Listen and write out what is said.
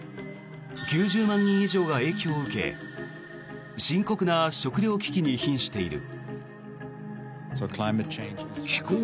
９０万人以上が影響を受け深刻な食糧危機にひんしている。